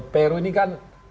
peru ini kan